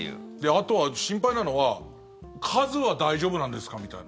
あとは、心配なのは数は大丈夫なんですかみたいな。